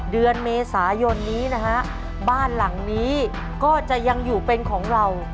เดือนเมษายนนี้นะฮะบ้านหลังนี้ก็จะยังอยู่เป็นของเรา